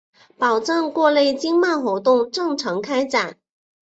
保障各类经贸活动正常开展